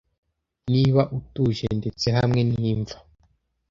niba utuje ndetse hamwe n'imva